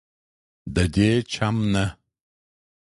ددې چم نه